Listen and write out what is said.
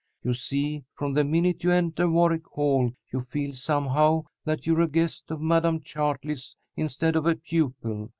You see, from the minute you enter Warwick Hall you feel somehow that you're a guest of Madam Chartley's instead of a pupil.